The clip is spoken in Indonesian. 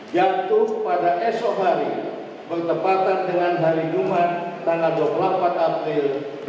jatuh pada esok hari bertepatan dengan hari jumat tanggal dua puluh empat april dua ribu dua puluh